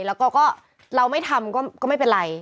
แล้วก็เราไม่ทำก็ไม่เป็นไร